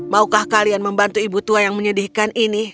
maukah kalian membantu ibu tua yang menyedihkan ini